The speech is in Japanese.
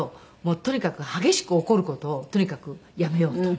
とにかく激しく怒る事をとにかくやめようと。